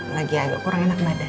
lagi agak kurang enak badan